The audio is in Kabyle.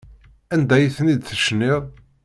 Anda ay ten-id-tecniḍ?